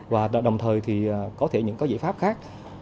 và đồng thời thì có thể những cái giải pháp khác